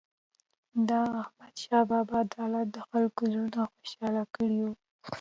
د احمدشاه بابا عدالت د خلکو زړونه خوشحال کړي وو.